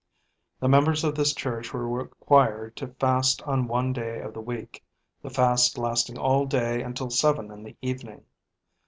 The members of this church were required to fast on one day of the week, the fast lasting all day until seven in the evening.